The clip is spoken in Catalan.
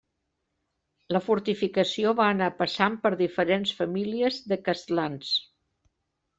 La fortificació va anar passant per diferents famílies de castlans.